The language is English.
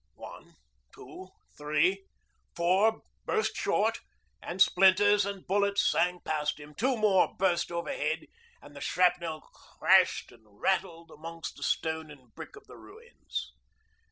One, two, three, four burst short, and splinters and bullets sang past him; two more burst overhead, and the shrapnel clashed and rattled amongst the stone and brick of the ruins.